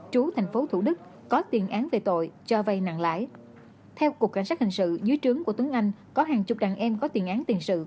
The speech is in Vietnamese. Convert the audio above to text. theo cục cảnh sát hình sự dưới trướng của tuấn anh có hàng chục đàn em có tiền án tiền sự